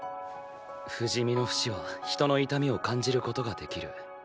不死身のフシは人の痛みを感じることができる。